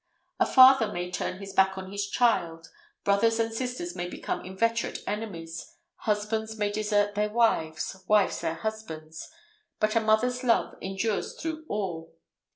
A father may turn his back on his child, brothers and sisters may become inveterate enemies, husbands may desert their wives, wives their husbands; but a mother's love endures through all.